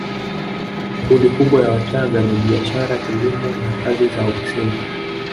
Shughuli kubwa ya Wachagga ni biashara kilimo na kazi za ofisini